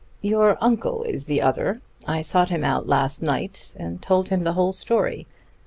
"Your uncle is the other. I sought him out last night and told him the whole story.